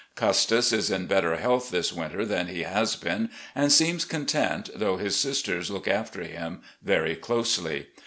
Custis is in better health this winter than he has been, and seems content, though his sisters look after him very closely.